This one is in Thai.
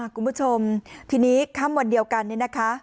คุณผู้ชมทีนี้ค่ำวันเดียวกันเนี่ยนะคะ